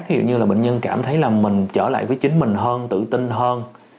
ví dụ như là bệnh nhân cảm thấy là mình trở lại với chính mình hơn tự tin hơn